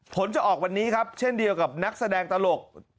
ผลจะออกวันนี้ครับเช่นเดียวกับนักแสดงตลก